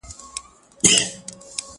جانان پر سرو سترګو مین دی٫